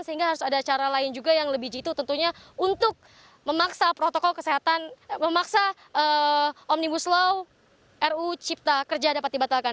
sehingga harus ada cara lain juga yang lebih jitu tentunya untuk memaksa protokol kesehatan memaksa omnibus law ruu cipta kerja dapat dibatalkan